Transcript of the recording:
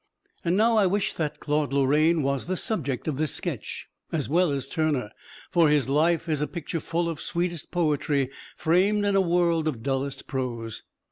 And now I wish that Claude Lorraine was the subject of this sketch, as well as Turner, for his life is a picture full of sweetest poetry, framed in a world of dullest prose.